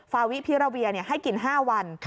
ฟาวิพิราเวียให้กิน๕วัน